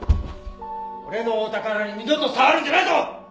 俺のお宝に二度と触るんじゃないぞ！